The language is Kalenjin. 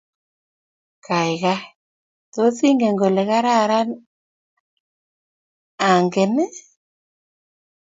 Gaigai, tos ingen kole kararan angne?